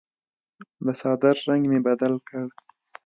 د څادر رنګ مې بدل کړ.